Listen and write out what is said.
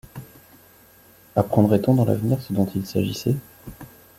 Apprendrait-on dans l’avenir ce dont il s’agissait ?…